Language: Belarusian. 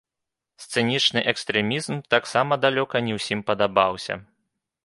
Сцэнічны экстрэмізм таксама далёка не ўсім падабаўся.